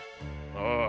ああ。